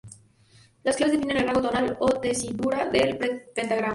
Las claves definen el rango tonal o tesitura del pentagrama.